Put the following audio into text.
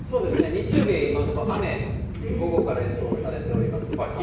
日曜日、今のところ雨、午後から予想されております、関東。